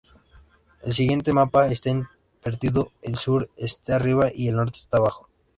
El siguiente mapa está invertido; el sur está arriba y el norte abajo.